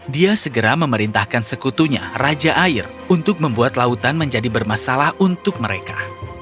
dia segera memerintahkan sekutunya raja air untuk membuat lautan menjadi bermasalah untuk mereka